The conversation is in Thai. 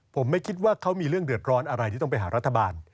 ผมไม่คิดว่าเขามีเรื่องเดือดร้อนอะไรที่ต้องไปหารัฐบาล